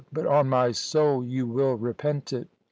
but, on my soul, you will repent it!"